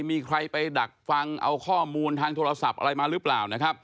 มีใครไปดักฟังเอาข้อมูลทางโทรศัพท์อะไรมาหรือเปล่านะครับ